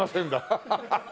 ハハハハ。